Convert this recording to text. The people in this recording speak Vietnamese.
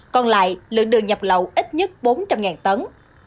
còn lại lượng đường nhập lậu ít nhất bốn trăm linh tấn